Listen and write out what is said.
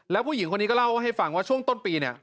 แล้วผู้หญิงคนนี้ก็เล่าให้ฟังว่าช่วงต้นปีเนี่ย